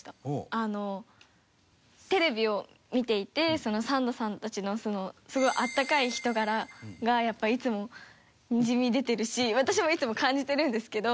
テレビを見ていてサンドさんたちのすごい温かい人柄がやっぱいつもにじみ出てるし私もいつも感じてるんですけど。